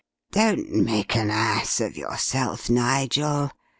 "Don't make an ass of yourself, Nigel.